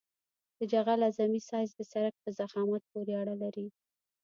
د جغل اعظمي سایز د سرک په ضخامت پورې اړه لري